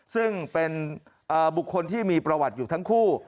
ซึ่งเป็นบุคคลที่มีประวัติอยู่ทั้งคู่